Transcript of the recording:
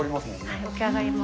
はい、起き上がります。